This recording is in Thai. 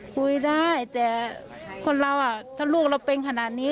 คุยได้แต่คนเราถ้าลูกเราเป็นขนาดนี้